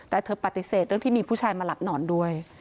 แต่เธอปฏิเสธเรื่องที่มีผู้ชายมาหลับนอนด้วย